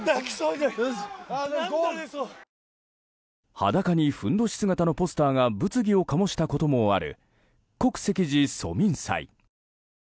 裸にふんどし姿のポスターが物議を醸したこともある黒石寺蘇民祭。